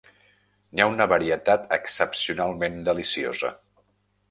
N'hi ha una varietat excepcionalment deliciosa.